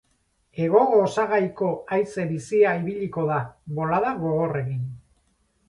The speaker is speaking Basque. Hego-osagaiko haize bizia ibiliko da, bolada gogorrekin.